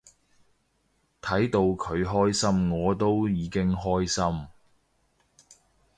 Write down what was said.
睇到佢開心我都已經開心